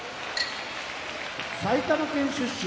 埼玉県出身